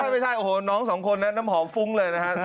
ไม่ใช่โอ้โหน้องสองคนนั้นน้ำหอมฟุ้งเลยนะฮะ